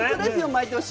毎年！